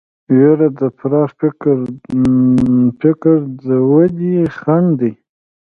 وېره د پراخ فکر د ودې خنډ دی.